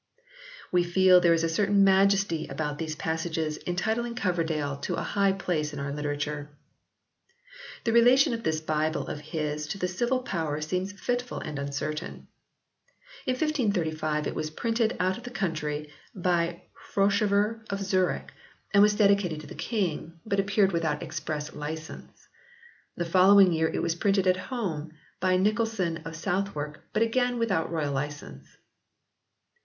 We feel there is a certain majesty about these passages entitling Coverdale to a high place in our literature. The relation of this Bible of his to the civil power seems fitful and uncertain. In 1535 it was printed out of the country by Froschover of Zurich and was iv] COVERDALE S BIBLE 57 dedicated to the King, but appeared without express license. The following year it was printed at home by Nycolson of Southwark but again without royal license.